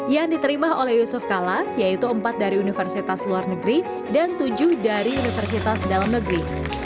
yang diterima oleh yusuf kala yaitu empat dari universitas luar negeri dan tujuh dari universitas dalam negeri